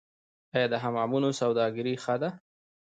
آیا د حمامونو سوداګري ښه ده؟